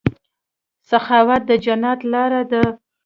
سخاوت د جنت لاره ده.